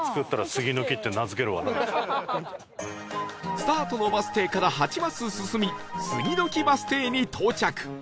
スタートのバス停から８マス進み杉の木バス停に到着